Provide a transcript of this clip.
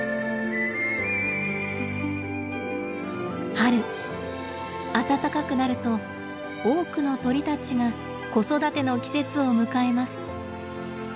春暖かくなると多くの鳥たちが子育ての季節を迎えます。